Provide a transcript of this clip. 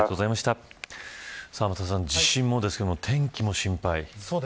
天達さん、地震もですけど天気も心配。